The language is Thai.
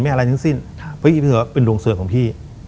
ไม่เอาอะไรทั้งสิ้นครับเฮ้ยเผื่อเป็นโรงเสริมของพี่